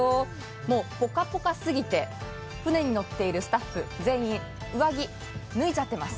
もうポカポカすぎて、船に乗っているスタッフ全員、上着脱いじゃってます。